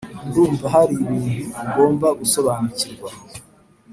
ndumva haribintu ugomba gusobanukirwa;